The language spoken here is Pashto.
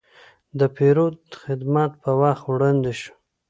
د پیرود خدمت په وخت وړاندې شو.